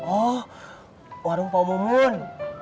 oh warung pau moemun